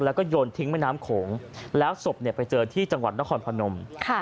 แล้วก็โยนทิ้งแม่น้ำโขงแล้วศพไปเจอที่จังหวัดนครพนม